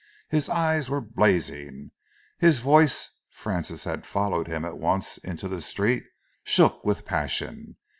His eyes were blazing. His voice Francis had followed him at once into the street shook with passion.